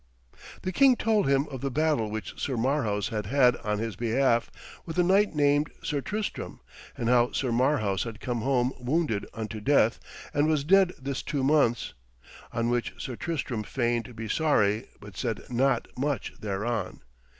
The king told him of the battle which Sir Marhaus had had on his behalf with a knight named Sir Tristram, and how Sir Marhaus had come home wounded unto death, and was dead this two months. On which Sir Tristram feigned to be sorry, but said not much thereon.